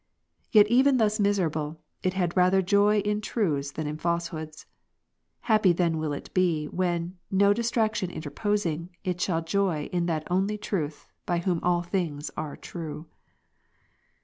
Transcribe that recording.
Yet even thus miserable, it had rather joy in truths than in falsehoods. Happy then will it be, when, no distraction interposing, it shall joy in that only Truth, by Whom all things are true.